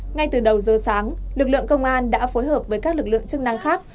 ngay từ đầu giờ sáng lực lượng công an đã phối hợp với các lực lượng chức năng khác